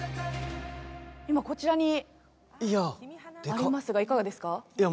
今こちらにありますがいかがですか？